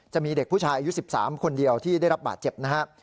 จะมีเด็กผู้ชายอายุ๑๓คนเดียวที่ได้รับบาดเจ็บนะครับ